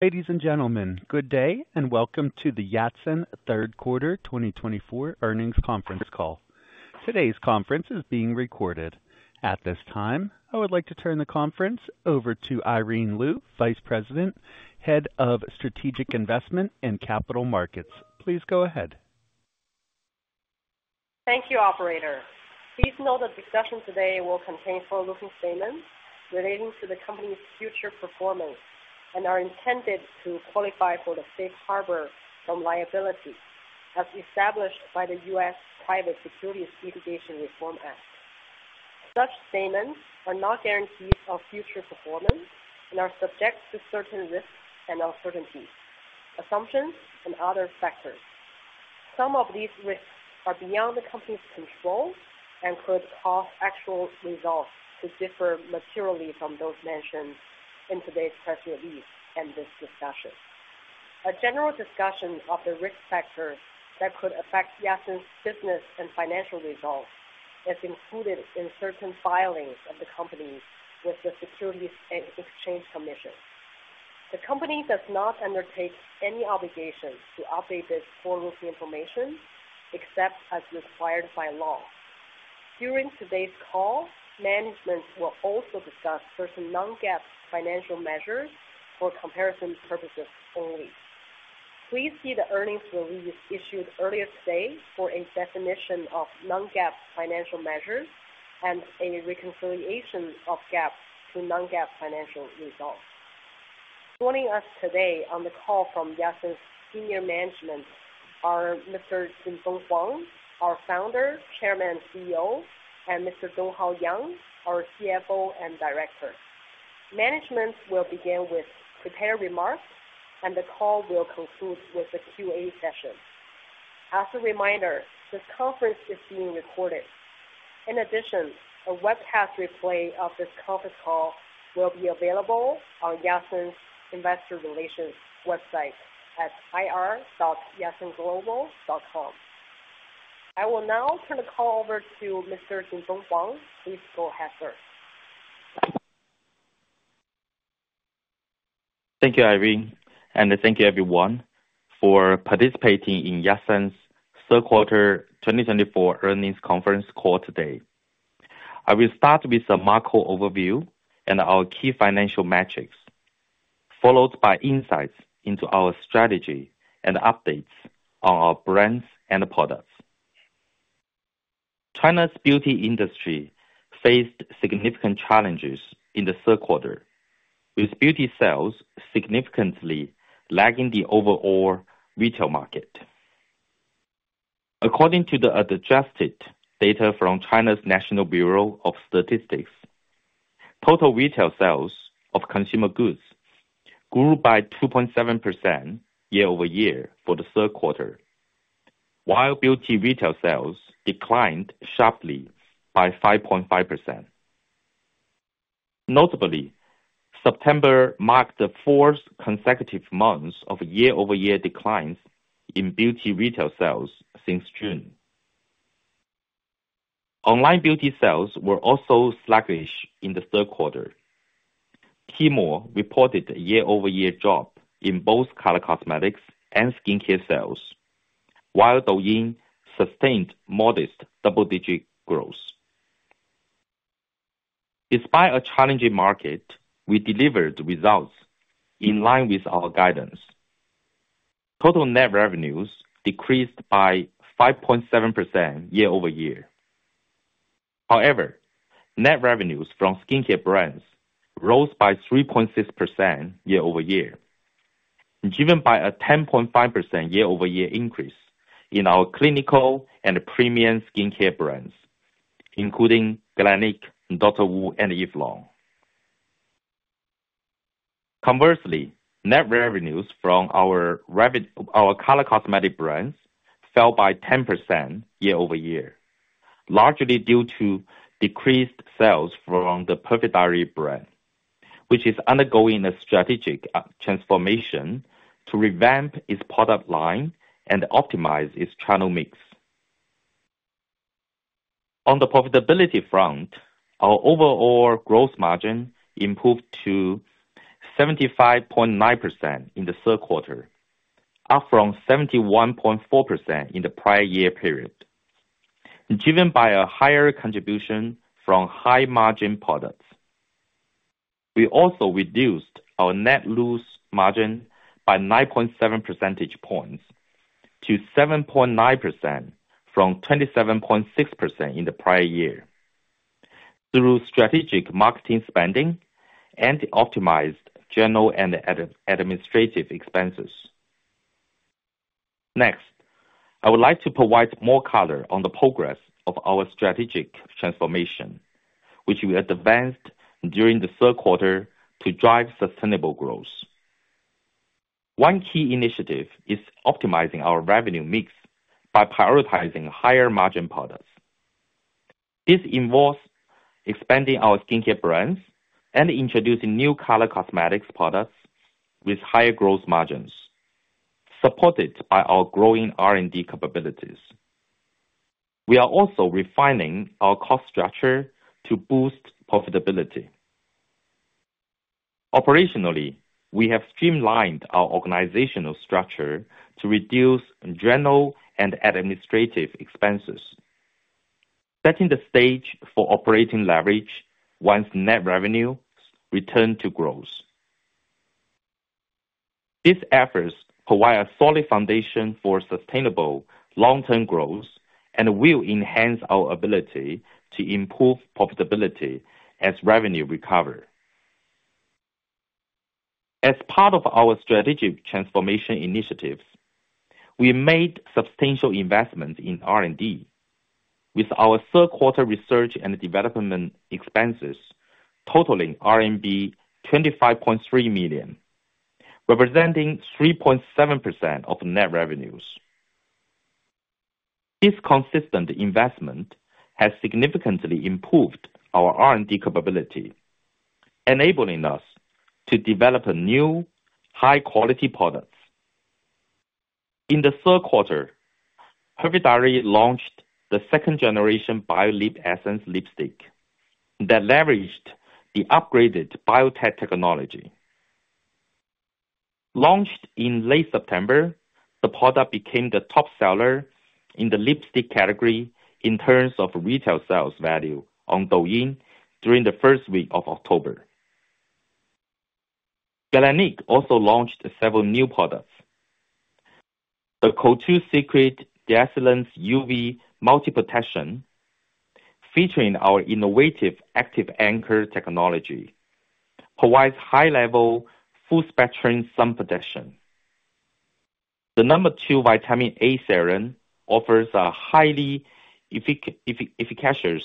Ladies and gentlemen, good day and welcome to the Yatsen Q3 2024 earnings conference call. Today's conference is being recorded. At this time, I would like to turn the conference over to Irene Lyu, Vice President, Head of Strategic Investment and Capital Markets. Please go ahead. Thank you, Operator. Please note that the session today will contain forward-looking statements relating to the company's future performance and are intended to qualify for the safe harbor from liability, as established by the U.S. Private Securities Litigation Reform Act. Such statements are not guarantees of future performance and are subject to certain risks and uncertainties, assumptions, and other factors. Some of these risks are beyond the company's control and could cause actual results to differ materially from those mentioned in today's press release and this discussion. A general discussion of the risk factors that could affect Yatsen's business and financial results is included in certain filings of the company with the Securities and Exchange Commission. The company does not undertake any obligation to update this forward-looking information except as required by law. During today's call, management will also discuss certain non-GAAP financial measures for comparison purposes only. Please see the earnings release issued earlier today for a definition of non-GAAP financial measures and a reconciliation of GAAP to non-GAAP financial results. Joining us today on the call from Yatsen's senior management are Mr. Jinfeng Huang, our Founder, Chairman, and CEO, and Mr. Donghao Yang, our CFO and Director. Management will begin with prepared remarks, and the call will conclude with a Q&A session. As a reminder, this conference is being recorded. In addition, a webcast replay of this conference call will be available on Yatsen's investor relations website at ir.yatsenglobal.com. I will now turn the call over to Mr. Jinfeng Huang. Please go ahead, sir. Thank you, Irene, and thank you, everyone, for participating in Yatsen's Q3 2024 earnings conference call today. I will start with a macro overview and our key financial metrics, followed by insights into our strategy and updates on our brands and products. China's beauty industry faced significant challenges in the Q3, with beauty sales significantly lagging the overall retail market. According to the adjusted data from China's National Bureau of Statistics, total retail sales of consumer goods grew by 2.7% year-over-year for the Q3, while beauty retail sales declined sharply by 5.5%. Notably, September marked the fourth consecutive month of year-over-year declines in beauty retail sales since June. Online beauty sales were also sluggish in the Q3. Temu reported a year-over-year drop in both color cosmetics and skincare sales, while Douyin sustained modest double-digit growth. Despite a challenging market, we delivered results in line with our guidance. Total net revenues decreased by 5.7% year-over-year. However, net revenues from skincare brands rose by 3.6% year-over-year, driven by a 10.5% year-over-year increase in our clinical and premium skincare brands, including Galénic, Dr. Wu, and EVE LOM. Conversely, net revenues from our color cosmetic brands fell by 10% year-over-year, largely due to decreased sales from the Perfect Diary brand, which is undergoing a strategic transformation to revamp its product line and optimize its channel mix. On the profitability front, our overall gross margin improved to 75.9% in the Q3, up from 71.4% in the prior year period, driven by a higher contribution from high-margin products. We also reduced our net loss margin by 9.7 percentage points to 7.9% from 27.6% in the prior year through strategic marketing spending and optimized general and administrative expenses. Next, I would like to provide more color on the progress of our strategic transformation, which we advanced during the Q3 to drive sustainable growth. One key initiative is optimizing our revenue mix by prioritizing higher-margin products. This involves expanding our skincare brands and introducing new color cosmetics products with higher gross margins, supported by our growing R&D capabilities. We are also refining our cost structure to boost profitability. Operationally, we have streamlined our organizational structure to reduce general and administrative expenses, setting the stage for operating leverage once net revenue returns to growth. These efforts provide a solid foundation for sustainable long-term growth and will enhance our ability to improve profitability as revenue recovers. As part of our strategic transformation initiatives, we made substantial investments in R&D, with our Q3 research and development expenses totaling RMB 25.3 million, representing 3.7% of net revenues. This consistent investment has significantly improved our R&D capability, enabling us to develop new, high-quality products. In the Q3, Perfect Diary launched the second-generation BioLip Essence Lipstick that leveraged the upgraded biotech technology. Launched in late September, the product became the top seller in the lipstick category in terms of retail sales value on Douyin during the first week of October. Galénic also launched several new products. The Secret d'Excellence UV Multi-Protection, featuring our innovative Active Anchor technology, provides high-level full-spectrum sun protection. The No. 2 Vitamin A Serum offers a highly efficacious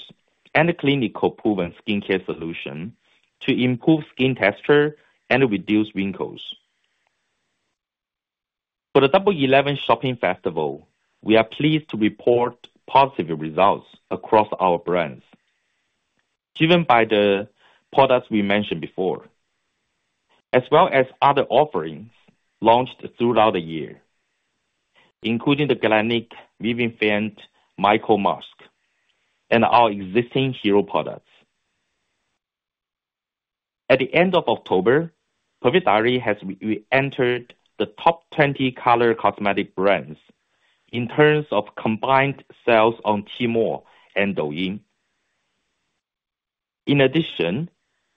and clinically proven skincare solution to improve skin texture and reduce wrinkles. For the Double 11 Shopping Festival, we are pleased to report positive results across our brands, driven by the products we mentioned before, as well as other offerings launched throughout the year, including the Galénic Vivifiant Micro-Mask and our existing hero products. At the end of October, Perfect Diary has re-entered the top 20 color cosmetic brands in terms of combined sales on Temu and Douyin. In addition,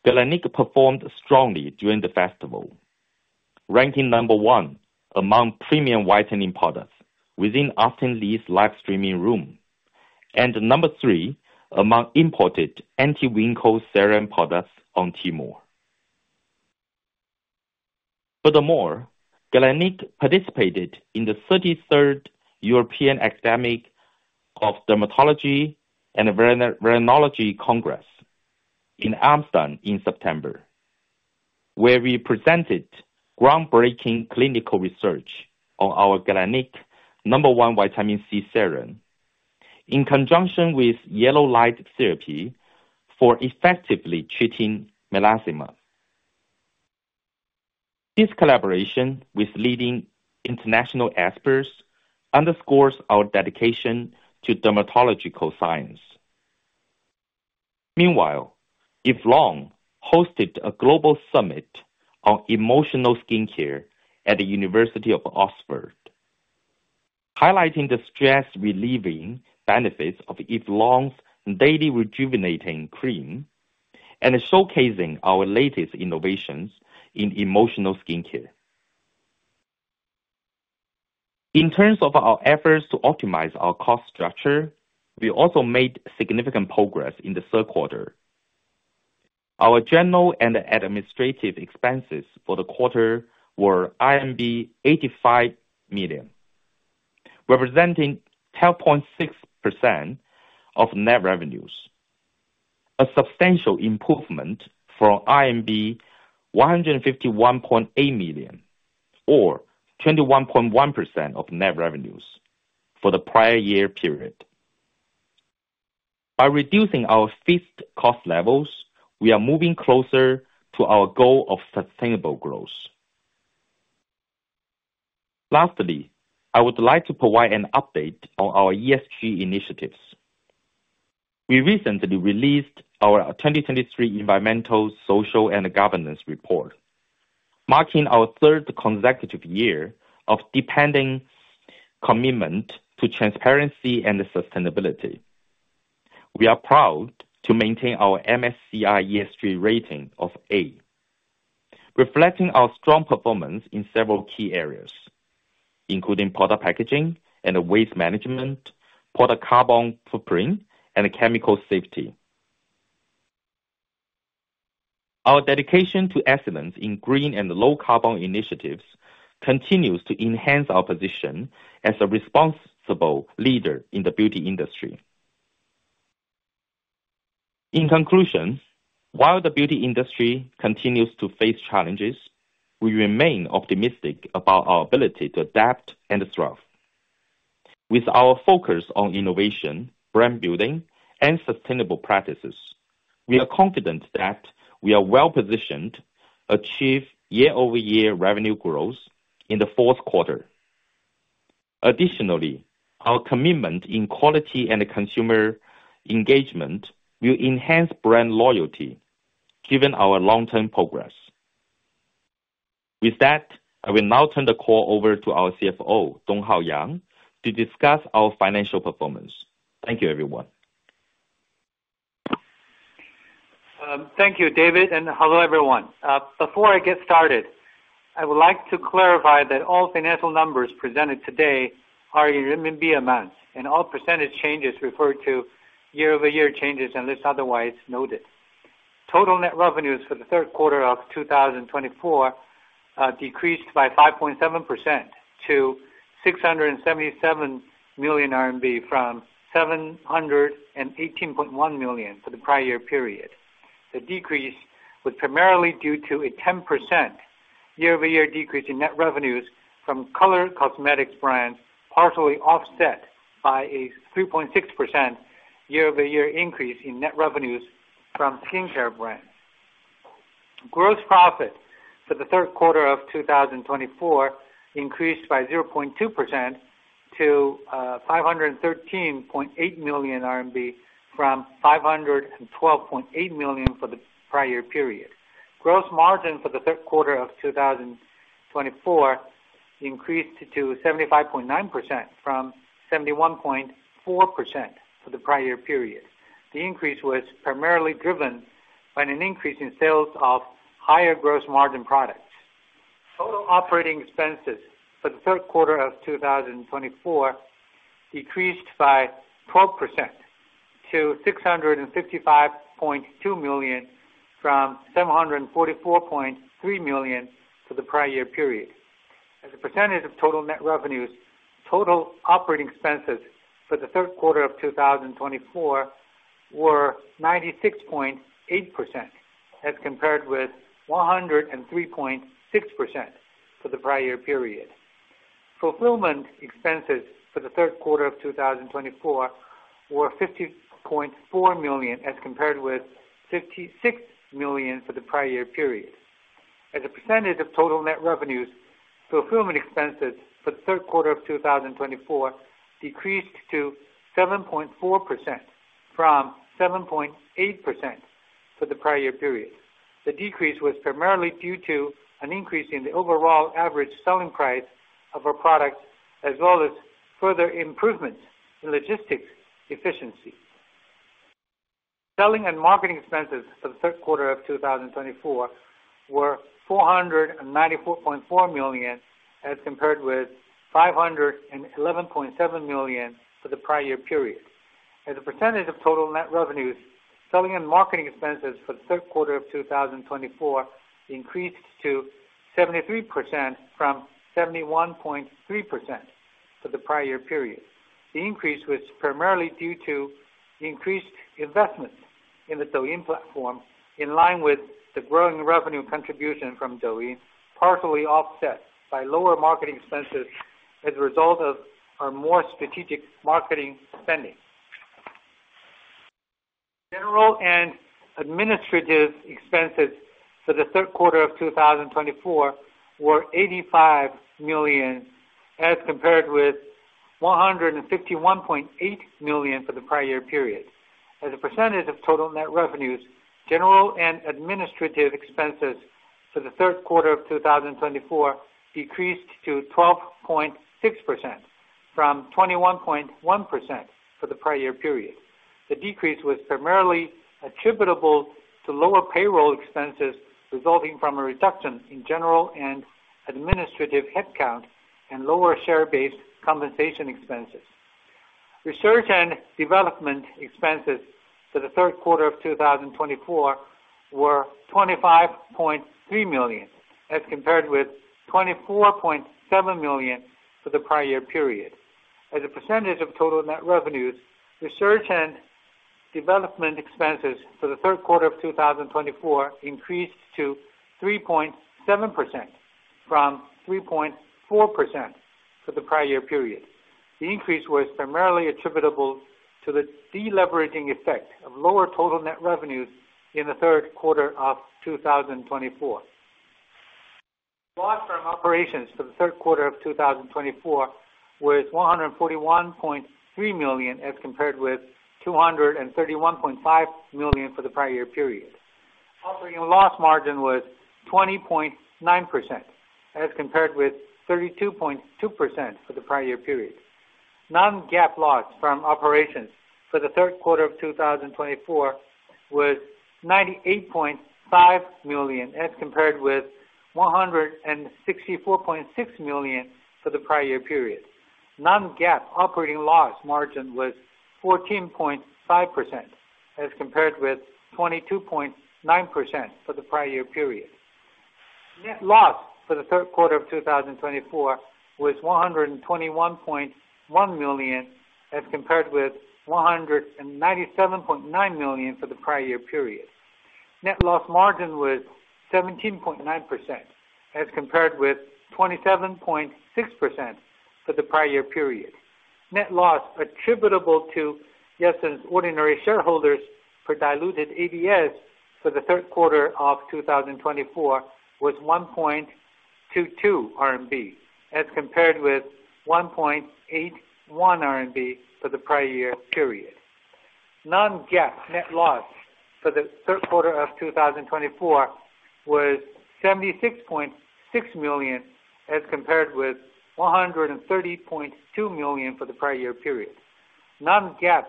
Galénic performed strongly during the festival, ranking No. 1 among premium whitening products within Austin Li's live streaming room, and No. 3 among imported anti-wrinkle serum products on Temu. Furthermore, Galénic participated in the 33rd European Academy of Dermatology and Venereology Congress in Amsterdam in September, where we presented groundbreaking clinical research on our Galénic No. 1 Vitamin C Serum in conjunction with Yellow Light Therapy for effectively treating melasma. This collaboration with leading international experts underscores our dedication to dermatological science. Meanwhile, EVE LOM hosted a global summit on emotional skincare at the University of Oxford, highlighting the stress-relieving benefits of EVE LOM's Daily Rejuvenating Cream and showcasing our latest innovations in emotional skincare. In terms of our efforts to optimize our cost structure, we also made significant progress in the Q3. Our general and administrative expenses for the Q4 were RMB 85 million, representing 12.6% of net revenues, a substantial improvement from RMB 151.8 million, or 21.1% of net revenues for the prior year period. By reducing our fixed cost levels, we are moving closer to our goal of sustainable growth. Lastly, I would like to provide an update on our ESG initiatives. We recently released our 2023 Environmental, Social, and Governance Report, marking our third consecutive year of dedicated commitment to transparency and sustainability. We are proud to maintain our MSCI ESG rating of A, reflecting our strong performance in several key areas, including product packaging and waste management, product carbon footprint, and chemical safety. Our dedication to excellence in green and low-carbon initiatives continues to enhance our position as a responsible leader in the beauty industry. In conclusion, while the beauty industry continues to face challenges, we remain optimistic about our ability to adapt and thrive. With our focus on innovation, brand building, and sustainable practices, we are confident that we are well-positioned to achieve year-over-year revenue growth in the Q4. Additionally, our commitment in quality and consumer engagement will enhance brand loyalty, given our long-term progress. With that, I will now turn the call over to our CFO, Donghao Yang, to discuss our financial performance. Thank you, everyone. Thank you, David, and hello, everyone. Before I get started, I would like to clarify that all financial numbers presented today are in RMB amounts, and all percentage changes refer to year-over-year changes unless otherwise noted. Total net revenues for the Q3 of 2024 decreased by 5.7% to 677 million RMB, from 718.1 million for the prior year period. The decrease was primarily due to a 10% year-over-year decrease in net revenues from color cosmetics brands, partially offset by a 3.6% year-over-year increase in net revenues from skincare brands. Gross profit for the Q3 of 2024 increased by 0.2% to 513.8 million RMB, from 512.8 million for the prior year period. Gross margin for the Q3 of 2024 increased to 75.9% from 71.4% for the prior year period. The increase was primarily driven by an increase in sales of higher gross margin products. Total operating expenses for the Q3 of 2024 decreased by 12% to 655.2 million, from 744.3 million for the prior year period. As a percentage of total net revenues, total operating expenses for the Q4 of 2024 were 96.8%, as compared with 103.6% for the prior year period. Fulfillment expenses for the Q4 of 2024 were 50.4 million, as compared with 56 million for the prior year period. As a percentage of total net revenues, fulfillment expenses for the Q4 of 2024 decreased to 7.4%, from 7.8% for the prior year period. The decrease was primarily due to an increase in the overall average selling price of our products, as well as further improvements in logistics efficiency. Selling and marketing expenses for the Q4 of 2024 were 494.4 million, as compared with 511.7 million for the prior year period. As a percentage of total net revenues, selling and marketing expenses for the Q4 of 2024 increased to 73%, from 71.3% for the prior year period. The increase was primarily due to increased investment in the Douyin platform, in line with the growing revenue contribution from Douyin, partially offset by lower marketing expenses as a result of our more strategic marketing spending. General and administrative expenses for the Q4 of 2024 were 85 million, as compared with 151.8 million for the prior year period. As a percentage of total net revenues, general and administrative expenses for the Q4 of 2024 decreased to 12.6%, from 21.1% for the prior year period. The decrease was primarily attributable to lower payroll expenses resulting from a reduction in general and administrative headcount and lower share-based compensation expenses. Research and development expenses for the Q4 of 2024 were 25.3 million, as compared with 24.7 million for the prior year period. As a percentage of total net revenues, research and development expenses for the Q4 of 2024 increased to 3.7%, from 3.4% for the prior year period. The increase was primarily attributable to the deleveraging effect of lower total net revenues in the Q4 of 2024. Loss from operations for the Q4 of 2024 was 141.3 million, as compared with 231.5 million for the prior year period. Operating loss margin was 20.9%, as compared with 32.2% for the prior year period. Non-GAAP loss from operations for the Q4 of 2024 was 98.5 million, as compared with 164.6 million for the prior year period. Non-GAAP operating loss margin was 14.5%, as compared with 22.9% for the prior year period. Net loss for the Q4 of 2024 was 121.1 million, as compared with 197.9 million for the prior year period. Net loss margin was 17.9%, as compared with 27.6% for the prior year period. Net loss attributable to Yatsen's ordinary shareholders for diluted ADS for the Q4 of 2024 was 1.22 RMB, as compared with 1.81 RMB for the prior year period. Non-GAAP net loss for the Q4 of 2024 was 6.6 million, as compared with 30.2 million for the prior year period. Non-GAAP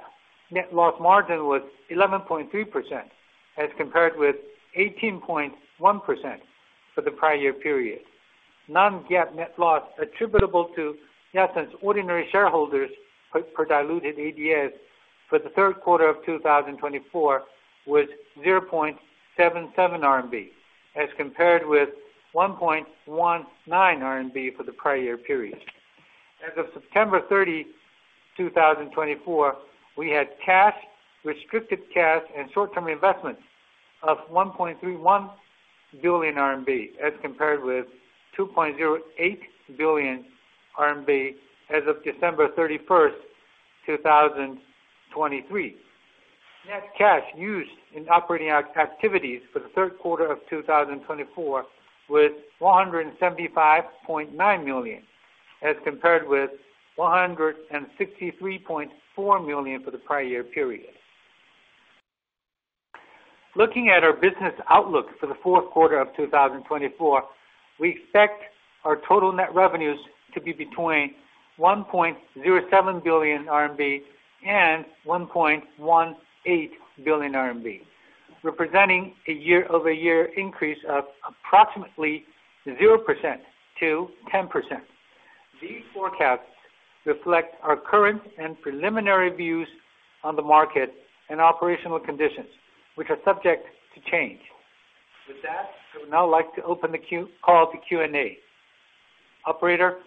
net loss margin was 11.3%, as compared with 18.1% for the prior year period. Non-GAAP net loss attributable to Yatsen's ordinary shareholders for diluted ADS for the Q4 of 2024 was 0.77 RMB, as compared with 1.19 RMB for the prior year period. As of September 30, 2024, we had cash, restricted cash, and short-term investment of 1.31 billion RMB, as compared with 2.08 billion RMB as of December 31, 2023. Net cash used in operating activities for the Q4 of 2024 was 175.9 million, as compared with 163.4 million for the prior year period. Looking at our business outlook for the Q4 of 2024, we expect our total net revenues to be between 1.07 billion RMB and 1.18 billion RMB, representing a year-over-year increase of approximately 0% to 10%. These forecasts reflect our current and preliminary views on the market and operational conditions, which are subject to change. With that, I would now like to open the call to Q&A. Operator.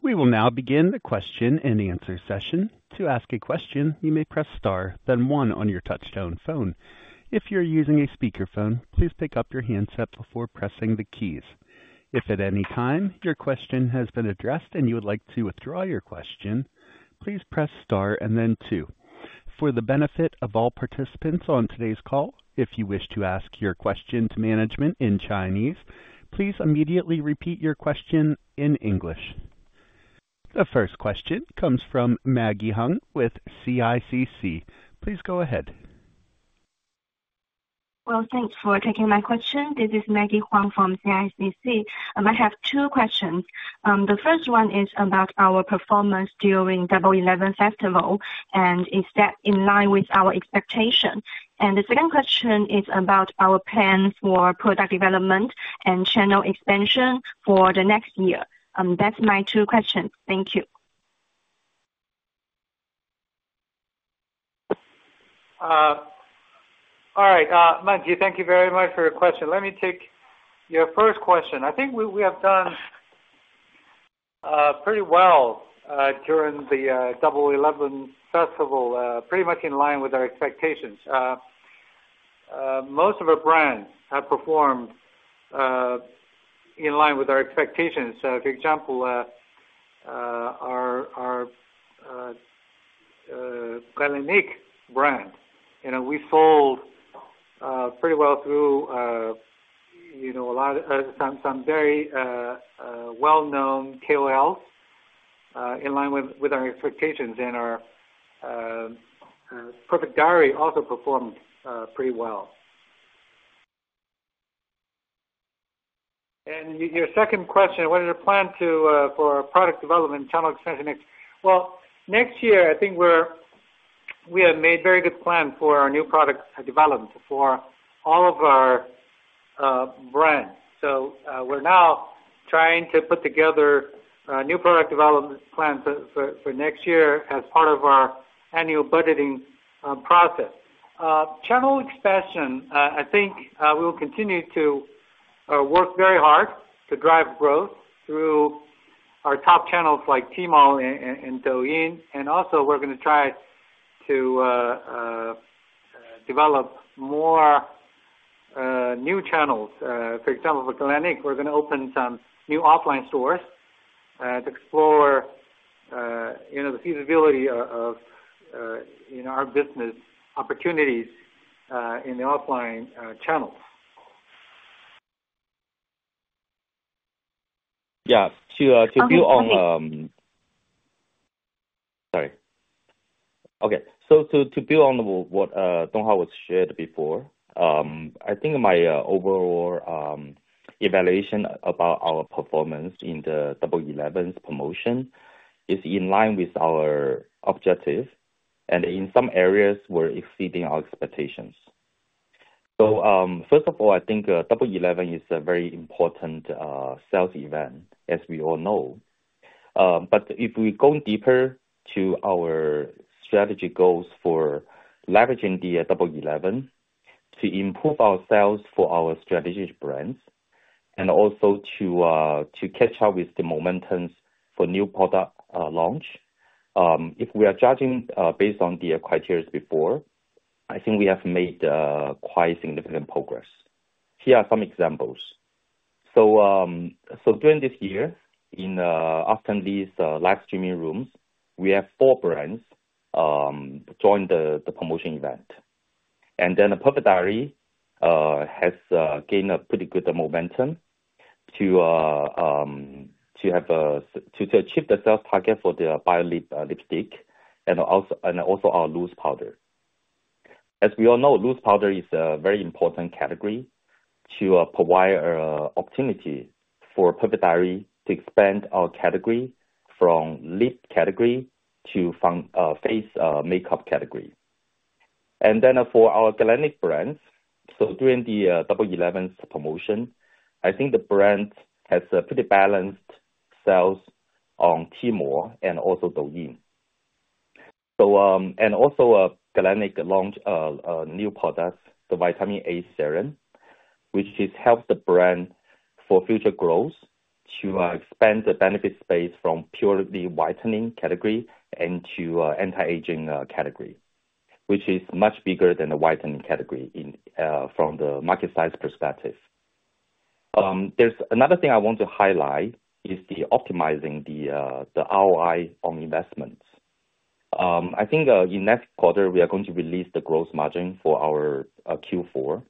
We will now begin the question and answer session. To ask a question, you may press star, then one on your touch-tone phone. If you're using a speakerphone, please pick up your handset before pressing the keys. If at any time your question has been addressed and you would like to withdraw your question, please press star and then two. For the benefit of all participants on today's call, if you wish to ask your question to management in Chinese, please immediately repeat your question in English. The first question comes from Maggie Wang with CICC. Please go ahead. Well, thanks for taking my question. This is Maggie Wang from CICC. I have two questions. The first one is about our performance during the Double Eleven Festival, and is that in line with our expectation? And the second question is about our plan for product development and channel expansion for the next year. That's my two questions. Thank you. All right. Maggie, thank you very much for your question. Let me take your first question. I think we have done pretty well during the Double Eleven Festival, pretty much in line with our expectations. Most of our brands have performed in line with our expectations. For example, our Galénic brand, we sold pretty well through some very well-known KOLs in line with our expectations. And our Perfect Diary also performed pretty well. And your second question, what is the plan for product development, channel expansion? Well, next year, I think we have made very good plans for our new product development for all of our brands. So we're now trying to put together a new product development plan for next year as part of our annual budgeting process. Channel expansion, I think we will continue to work very hard to drive growth through our top channels like Tmall and Douyin. And also, we're going to try to develop more new channels. For example, for Galénic, we're going to open some new offline stores to explore the feasibility of our business opportunities in the offline channels. Yeah. To build on. Thank you. Sorry. Okay. So to build on what Donghao has shared before, I think my overall evaluation about our performance in the Double Eleven's promotion is in line with our objective, and in some areas, we're exceeding our expectations. So first of all, I think Double Eleven is a very important sales event, as we all know. But if we go deeper to our strategic goals for leveraging the Double Eleven to improve our sales for our strategic brands and also to catch up with the momentum for new product launch, if we are judging based on the criteria before, I think we have made quite significant progress. Here are some examples. So during this year, in often these live streaming rooms, we have four brands join the promotion event. Perfect Diary has gained a pretty good momentum to achieve the sales target for the BioLip Essence Lipstick and also our loose powder. As we all know, loose powder is a very important category to provide an opportunity for Perfect Diary to expand our category from lip category to face makeup category. For our Galénic brands, during the Double 11's promotion, I think the brand has pretty balanced sales on Tmall and also Douyin. Galénic launched a new product, the No. 2 Vitamin A Serum, which helps the brand for future growth to expand the benefit space from purely whitening category into anti-aging category, which is much bigger than the whitening category from the market size perspective. There's another thing I want to highlight, which is optimizing the ROI on investments. I think in next quarter, we are going to release the gross margin for our Q4.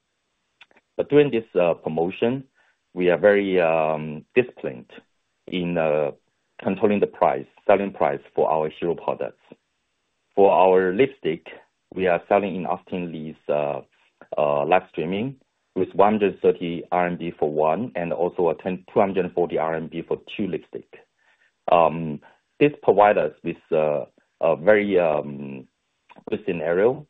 But during this promotion, we are very disciplined in controlling the price, selling price for our Hero products. For our lipstick, we are selling in Austin Li's live streaming with 130 RMB for one and also 240 RMB for two lipstick. This provides us with a very good scenario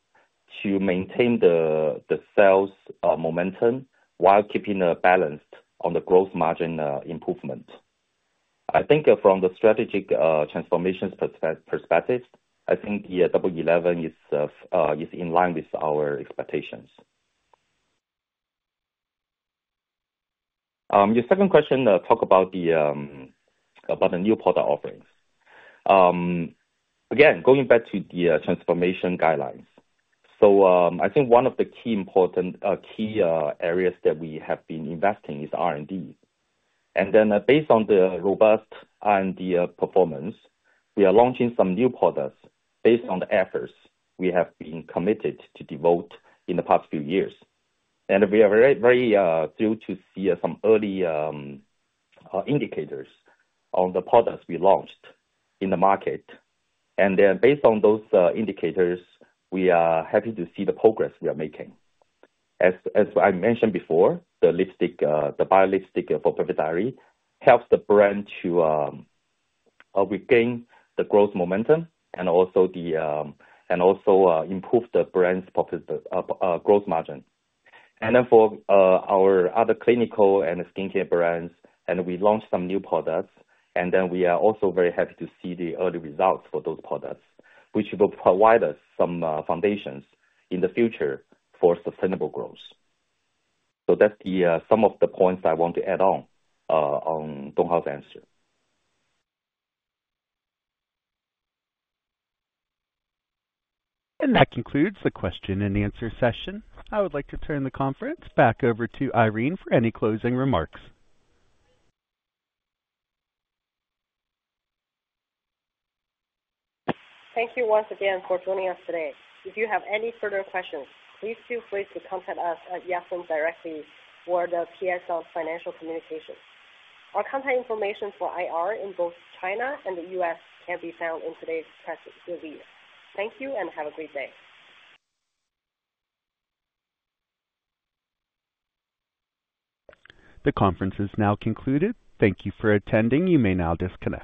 to maintain the sales momentum while keeping balanced on the gross margin improvement. I think from the strategic transformation perspective, I think Double Eleven is in line with our expectations. Your second question talked about the new product offerings. Again, going back to the transformation guidelines, so I think one of the key areas that we have been investing is R&D. And then based on the robust R&D performance, we are launching some new products based on the efforts we have been committed to devote in the past few years. And we are very thrilled to see some early indicators on the products we launched in the market. And then based on those indicators, we are happy to see the progress we are making. As I mentioned before, the BioLip lipstick for Perfect Diary helps the brand to regain the growth momentum and also improve the brand's gross margin. And then for our other clinical and skincare brands, we launched some new products. And then we are also very happy to see the early results for those products, which will provide us some foundations in the future for sustainable growth. So that's some of the points I want to add on Donghao's answer. That concludes the question and answer session. I would like to turn the conference back over to Irene for any closing remarks. Thank you once again for joining us today. If you have any further questions, please feel free to contact us at Yatsen directly or the Piacente Financial Communications. Our contact information for IR in both China and the U.S. can be found in today's press release. Thank you and have a great day. The conference is now concluded. Thank you for attending. You may now disconnect.